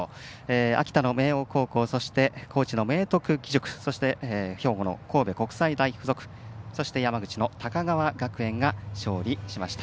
秋田の明桜高校そして、高知、明徳義塾そして、兵庫の神戸国際大付属そして山口の高川学園が勝利しました。